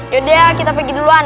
yaudah kita pergi duluan